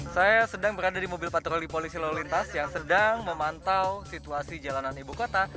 saya sedang berada di mobil patroli polisi lalu lintas yang sedang memantau situasi jalanan ibu kota